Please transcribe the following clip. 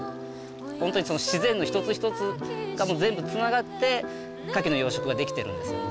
ほんとにその自然の一つ一つがもう全部つながってカキの養殖ができてるんですよね。